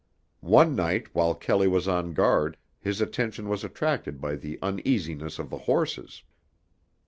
One night while Kelley was on guard his attention was attracted by the uneasiness of the horses.